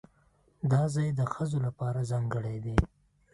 دا ځای د ښځو لپاره ځانګړی دی.